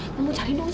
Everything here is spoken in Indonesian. aku mau cari dong